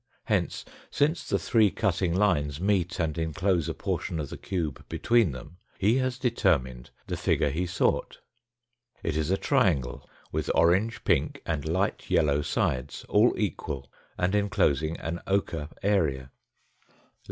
Hence, since the three cutting lines meet and enclose a portion of the cube between them, he has determined the figure he sought. It is a triangle with orange, pink, and light yellow sides, all equal, and enclosing an ochre area.